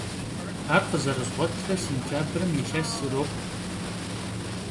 Ar khızerızğuetre sêntyabrım yilhes yirokhu.